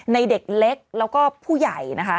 เด็กเล็กแล้วก็ผู้ใหญ่นะคะ